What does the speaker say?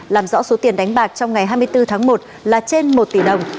làm rõ số tiền đánh bạc trong ngày hai mươi bốn tháng một là trên một tỷ đồng